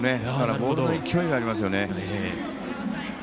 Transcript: ボールに勢いがありますよね。